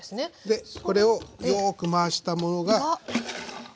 でこれをよく回したものが。